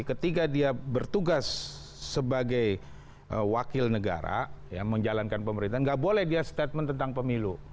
ketika dia bertugas sebagai wakil negara menjalankan pemerintahan nggak boleh dia statement tentang pemilu